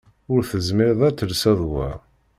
Ur tezmireḍ ad telseḍ wa.